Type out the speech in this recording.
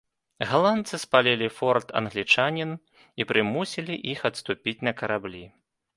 Галандцы спалілі форт англічанін, і прымусілі іх адступіць на караблі.